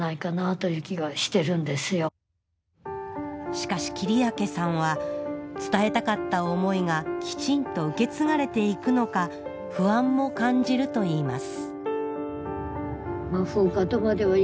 しかし切明さんは伝えたかった思いがきちんと受け継がれていくのか不安も感じるといいます